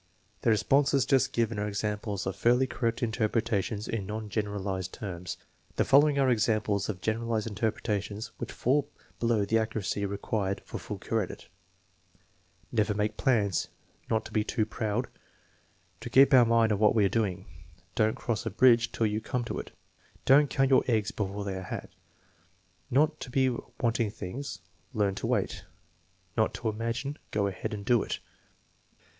The responses just given are examples of fairly correct inter pretations in non generalized terms. The following are examples of generalized interpretations which fall below the accuracy required TEST NO. Xn, 5 295 for full credit . "Never make plans." "Not to be too proud." "To keep our mind on what we are doing." " Don't cross a bridge till you come to it." "Don't count your eggs before they are hatched." "Not to be wanting things; learn to wait." "Not to imagine; go ahead and do it."